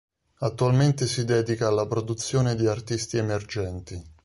Attualmente si dedica alla produzione di artisti emergenti.